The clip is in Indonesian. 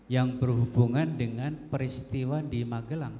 yang berhubungan dengan peristiwa di magelang